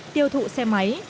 tiêu thụ xe máy